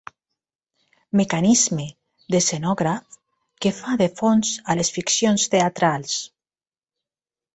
Mecanisme d'escenògraf que fa de fons a les ficcions teatrals.